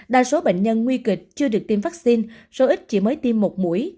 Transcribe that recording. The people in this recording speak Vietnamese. đa số bệnh nhân nguy kịch chưa được tiêm vaccine số ít chỉ mới tiêm một mũi